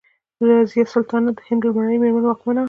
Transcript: رضیا سلطانه د هند لومړۍ میرمن واکمنه وه.